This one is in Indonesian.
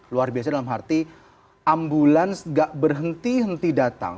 luar biasa dalam arti ambulans gak berhenti henti datang